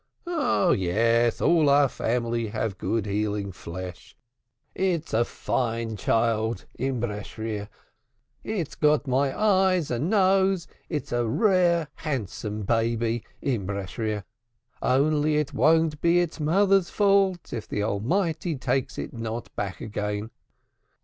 "Oh, yes, all our family have good healing flesh. It's a fine, child, imbeshreer. It's got my eyes and nose. It's a rare handsome baby, imbeshreer. Only it won't be its mother's fault if the Almighty takes it not back again.